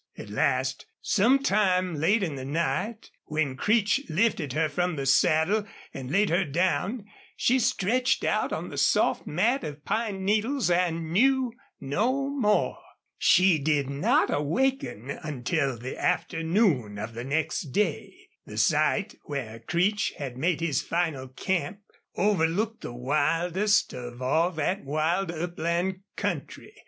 At last, sometime late in the night, when Creech lifted her from the saddle and laid her down, she stretched out on the soft mat of pine needles and knew no more. She did not awaken until the afternoon of the next day. The site where Creech had made his final camp overlooked the wildest of all that wild upland country.